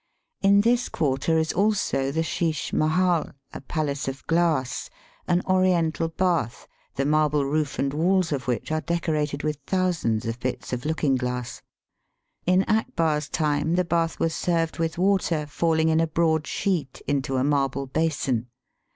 In this quarter is also the Shish mekal, a palace of glass, an Oriental bath, the marble roof and walls of Digitized by VjOOQIC 276 EAST BY WEST. which are decorated with thousands of bits of looking glass. In Akbar's time the bath was served with water falling in a broad sheet into a marble basin.